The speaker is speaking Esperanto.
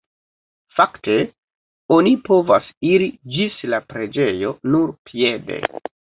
Fakte oni povas iri ĝis la preĝejo nur piede.